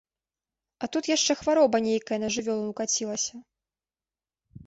А тут яшчэ хвароба нейкая на жывёлу ўкацілася.